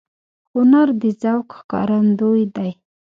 هنر د ذوق ښکارندوی دی